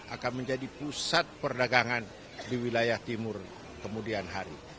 akan menjadi pusat perdagangan di wilayah timur kemudian hari